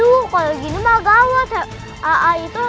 iya kalau begitu caranya mah mereka pasti kalah